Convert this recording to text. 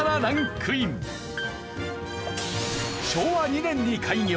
昭和２年に開業。